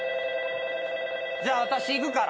じゃああたし行くから。